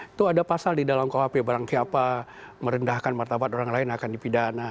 itu ada pasal di dalam kuhp barang siapa merendahkan martabat orang lain akan dipidana